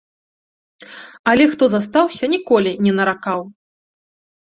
Але хто застаўся, ніколі не наракаў.